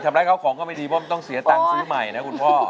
ทำร้ายเขาของก็ไม่ดีเพราะมันต้องเสียตังค์ซื้อใหม่นะคุณพ่อ